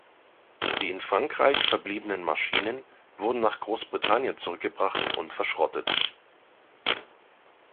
Die in Frankreich verbliebenen Maschinen wurden nach Großbritannien zurückgebracht und verschrottet.